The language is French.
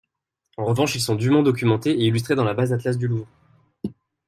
En revanche, ils sont dûment documentés et illustrés dans la base Atlas du Louvre.